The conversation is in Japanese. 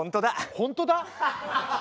本当だ？